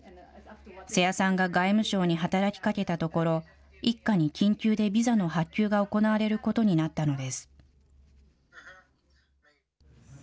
瀬谷さんが外務省に働きかけたところ、一家に緊急でビザの発給が行われることになったのです。